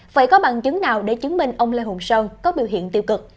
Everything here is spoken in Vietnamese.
phải có bằng chứng nào để chứng minh ông lê hùng sơn có biểu hiện tiêu cực